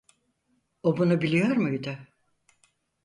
O bunu biliyor muydu?